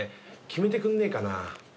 決めてくんねえかな。